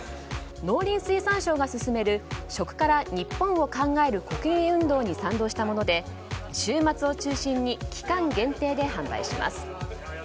農林水産省が勧める食から日本を考える運動に賛同したもので週末を中心に期間限定で販売します。